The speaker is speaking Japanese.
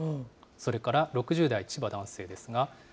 それから６０代、千葉、男性ですが。